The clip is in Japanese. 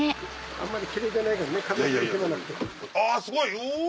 あすごいう！